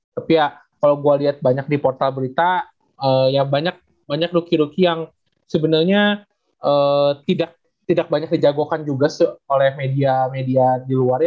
tapi ya kalau gue liat banyak di portal berita ya banyak rookie rookie yang sebenarnya tidak banyak dijagokan juga oleh media media di luar ya